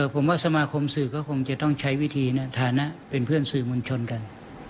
ผมว่าสมาคมสื่อก็คงจะต้องใช้วิธีในฐานะเป็นเพื่อนสื่อมวลชนกัน